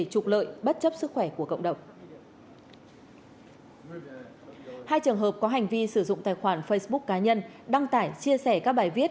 hai trường hợp có hành vi sử dụng tài khoản facebook cá nhân đăng tải chia sẻ các bài viết